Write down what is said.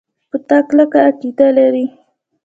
په تا کلکه عقیده لري.